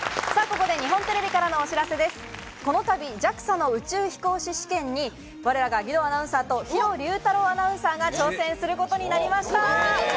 このたび、ＪＡＸＡの宇宙飛行士試験に義堂アナウンサーと、弘竜太郎アナウンサーが挑戦することになりました。